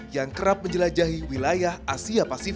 yang kerap menjelajahi wilayah asia pasifik